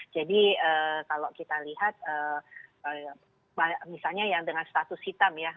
jadi kalau kita lihat misalnya yang dengan status hitam ya